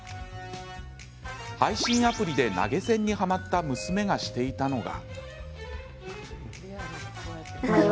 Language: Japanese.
配信アプリで投げ銭にはまった娘がしていたのが。